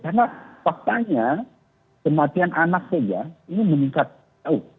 karena faktanya kematian anak saja ini meningkat jauh